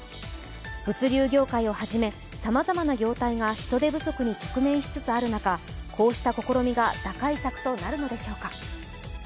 物流業界をはじめさまざまな業態が人手不足に直面しつつある中こうした試みが打開策となるのでしょうか。